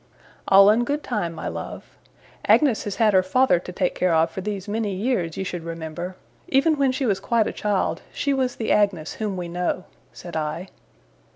'All in good time, my love. Agnes has had her father to take care of for these many years, you should remember. Even when she was quite a child, she was the Agnes whom we know,' said I.